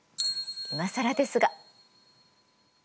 いまさらですが。